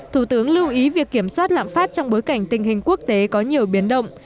thủ tướng lưu ý việc kiểm soát lạm phát trong bối cảnh tình hình quốc tế có nhiều biến động